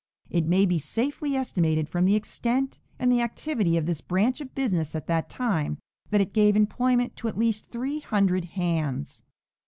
It may be safely estimated from the extent and the activity of this branch of business at that time, that it gave employment to at least three hundred hands.